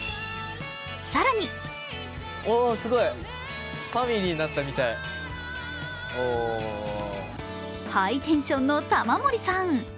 更にハイテンションの玉森さん。